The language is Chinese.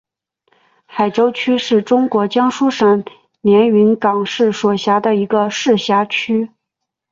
海州区是中国江苏省连云港市所辖的一个市辖区。